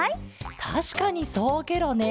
たしかにそうケロね。